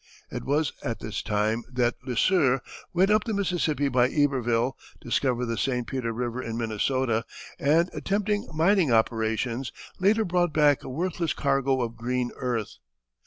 It was at this time that Le Sueur, sent up the Mississippi by Iberville, discovered the St. Peter River, in Minnesota, and attempting mining operations, later brought back a worthless cargo of green earth.